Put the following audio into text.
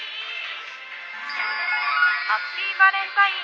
ハッピーバレンタイン！」。